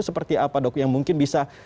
seperti apa dok yang mungkin bisa